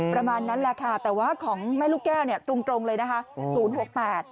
ประมาณนั้นแหละค่ะแต่ว่าของแม่ลูกแก้วตรงเลยนะคะ๐๖๘